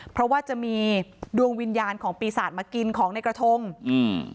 เพราะว่าจะมีดวงวิญญาณของปีศาจมากินของในกระทงอืม